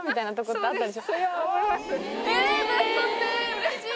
うれしい！